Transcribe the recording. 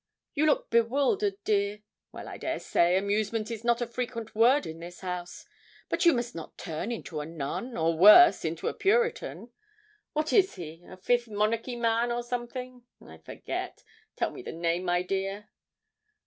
You look bewildered, dear. Well, I dare say, amusement is not a frequent word in this house. But you must not turn into a nun, or worse, into a puritan. What is he? A Fifth Monarchy man, or something I forget; tell me the name, my dear.'